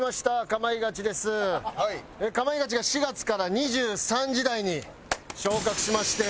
『かまいガチ』が４月から２３時台に昇格しまして。